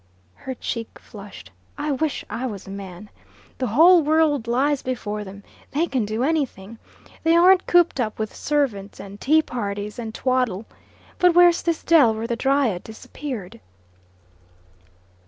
her cheek flushed, "I wish I was a man. The whole world lies before them. They can do anything. They aren't cooped up with servants and tea parties and twaddle. But where's this dell where the Dryad disappeared?"